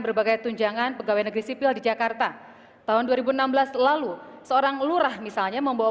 berbagai tunjangan pegawai negeri sipil di jakarta tahun dua ribu enam belas lalu seorang lurah misalnya membawa